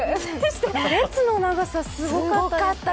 列の長さ、すごかったですね。